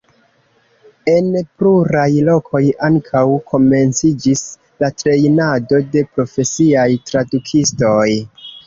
En pluraj lokoj ankaŭ komenciĝis la trejnado de profesiaj tradukistoj.